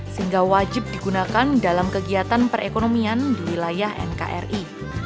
sehingga wajib digunakan dalam kegiatan perekonomian di wilayah nkri